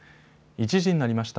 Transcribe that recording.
１時になりました。